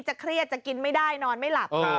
เครียดจะกินไม่ได้นอนไม่หลับ